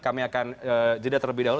kami akan jeda terlebih dahulu